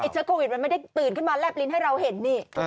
เชื้อโควิดมันไม่ได้ตื่นขึ้นมาแลบลิ้นให้เราเห็นนี่